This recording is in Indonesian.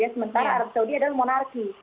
sementara arab saudi adalah monarki